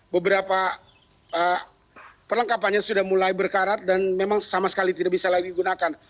beberapa perlengkapannya sudah mulai berkarat dan memang sama sekali tidak bisa lagi digunakan